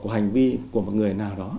hành vi của một người nào đó